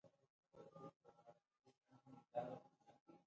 بيا يې لږه شېبه وخندل.